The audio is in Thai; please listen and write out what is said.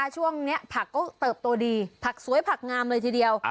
ช่วงนี้ผักก็เติบโตดีผักสวยผักงามเลยทีเดียว